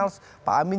mereka akan berbicara